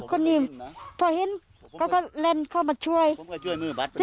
คุณผู้สายรุ่งมโสผีอายุ๔๒ปี